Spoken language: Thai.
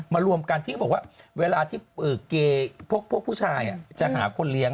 รวมกันที่เขาบอกว่าเวลาที่เกย์พวกผู้ชายจะหาคนเลี้ยง